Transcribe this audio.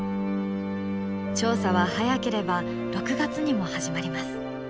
調査は早ければ６月にも始まります。